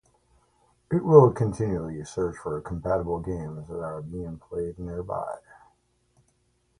It will continually search for compatible games that are being played nearby.